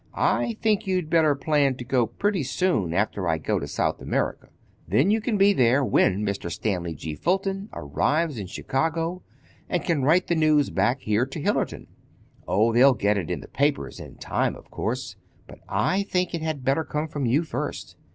I think you'd better plan to go pretty soon after I go to South America. Then you can be there when Mr. Stanley G. Fulton arrives in Chicago and can write the news back here to Hillerton. Oh, they'll get it in the papers, in time, of course; but I think it had better come from you first.